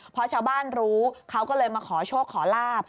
พอชาวบ้านรู้เขาก็เลยมาขอโชคขอลาบ